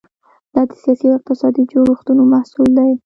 دا د سیاسي او اقتصادي جوړښتونو محصول دی.